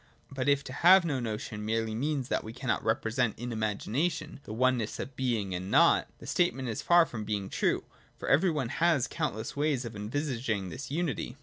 But if to have no notion merely means that we cannot represent in imagination the oneness of Being and Nought, the statement is far from being true ; for every one has countless ways of envisaging this unity.